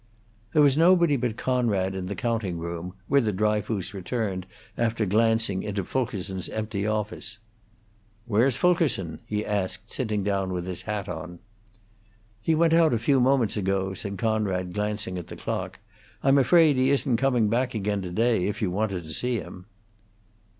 There was nobody but Conrad in the counting room, whither Dryfoos returned after glancing into Fulkerson's empty office. "Where's Fulkerson?" he asked, sitting down with his hat on. "He went out a few moments ago," said Conrad, glancing at the clock. "I'm afraid he isn't coming back again today, if you wanted to see him."